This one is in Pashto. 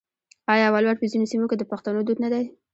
آیا ولور په ځینو سیمو کې د پښتنو دود نه دی؟